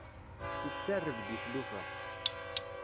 Ifsa rrebg i tlufa.